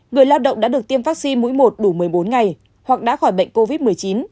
người lao động đã được tiêm vaccine mũi một đủ một mươi bốn ngày hoặc đã khỏi bệnh covid một mươi chín